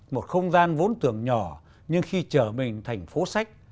một không gian vốn tưởng nhỏ nhưng khi trở mình thành phố sách